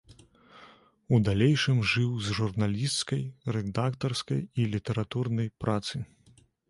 У далейшым жыў з журналісцкай, рэдактарскай і літаратурнай працы.